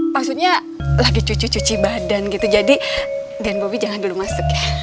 maksudnya lagi cuci cuci badan gitu jadi denbobi jangan dulu masuk ya